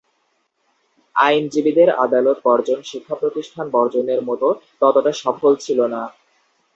আইনজীবীদের আদালত বর্জন শিক্ষা-প্রতিষ্ঠান বর্জনের মতো ততটা সফল ছিল না।